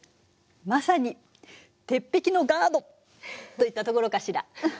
まさに鉄壁のガードといったところかしら。